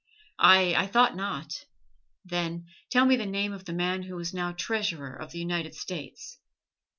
Aye, I thought not; then tell me the name of the man who is now Treasurer of the United States!